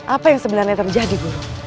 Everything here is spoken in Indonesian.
apa yang sebenarnya terjadi bu